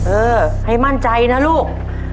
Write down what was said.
เออให้มั่นใจนะลูก